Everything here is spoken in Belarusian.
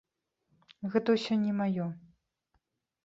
Гэта ўсё не маё.